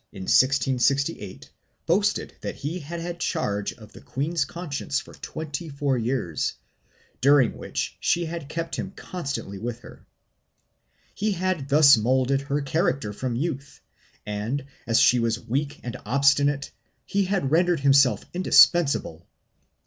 3 Nithard, in 1668, boasted that he had had charge of the queen's conscience for twenty four years, during which she had kept him constantly with her. He had thus moulded her character from youth and, as she was weak and obstinate, he had rendered himself indispensable.